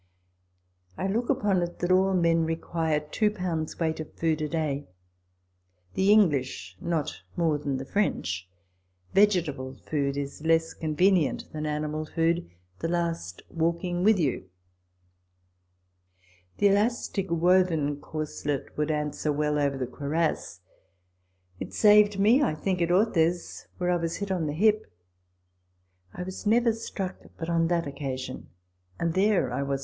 I look upon it that all men require two pounds weight of food a day ; the English not more than the French. Vegetable food is less convenient than animal food, the last walking with you. The elastic woven corslet would answer well over the cuirass. It saved me, I think, at Orthez ;* where I was hit on the hip. I was never struck * In Spain.